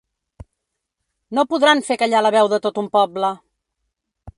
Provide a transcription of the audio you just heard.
No podran fer callar la veu de tot un poble!